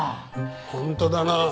本当だなあ。